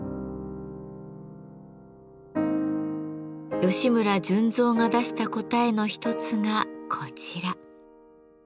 吉村順三が出した答えの一つがこちら。